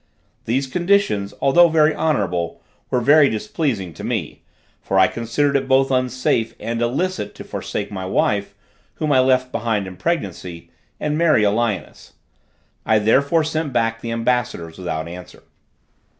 These conditions, although very honorable, were very displeasing to me, for I considered it both unsafe and illicit to forsake my wife, whom I left behind in pregnancy, and marry a lioness. I therefore sent back the ambassadors without answer.